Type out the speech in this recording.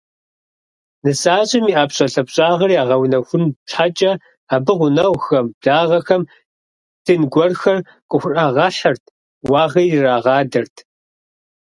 НысащӀэм и ӀэпщӀэлъапщӀагъэр ягъэунэхун щхьэкӀэ абы гъунэгъухэм, благъэхэм дын гуэрхэр къыхурагъэхьырт, уагъэ ирырагъадэрт.